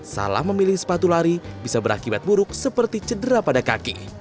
salah memilih sepatu lari bisa berakibat buruk seperti cedera pada kaki